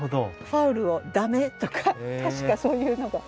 ファウルを「ダメ」とか確かそういうのが。